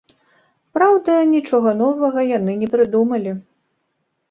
Праўда, нічога новага яны не прыдумалі.